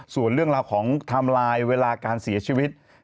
ส่วนเรื่องราวของไทม์ไลน์เวลาการเสียชีวิต